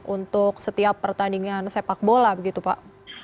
untuk setiap pertandingan sepak bola begitu pak